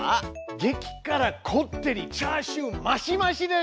げきからこってりチャーシュー増し増しです！